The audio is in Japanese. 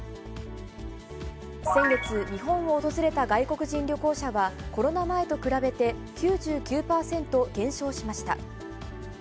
先月、日本を訪れた外国人旅行者はコロナ前と比べて、９９％減少しました。